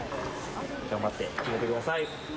頑張って決めてください。